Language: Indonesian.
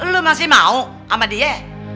lu masih mau sama dia